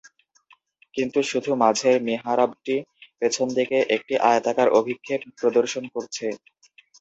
কিন্তু শুধু মাঝের মিহরাবটি পেছনদিকে একটি আয়তাকার অভিক্ষেপ প্রদর্শন করছে।